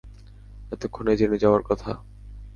এতক্ষণে জেনে যাওয়ার কথা।